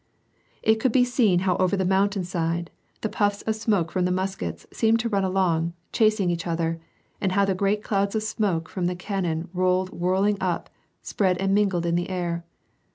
It could be seen how over the mountain side, the puffs of smoke from the muskets seemed to run along, chasing each other, and how the great clouds of smoke from the cannon rolled whirling up, spread and mingled in the air.